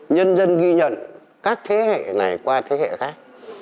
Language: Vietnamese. nhân dân ghi nhận các thế hệ này qua thế hệ khác